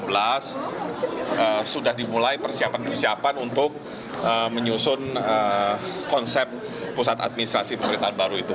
tahun dua ribu delapan belas sudah dimulai persiapan persiapan untuk menyusun konsep pusat administrasi pemerintahan baru itu